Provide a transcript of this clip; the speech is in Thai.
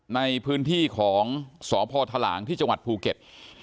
ในพื้นที่ของสพทหลางที่จังหวัดภูเก็ต